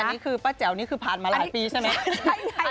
อันนี้คือป้าแจ๋วนี่คือผ่านมาหลายปีใช่ไหม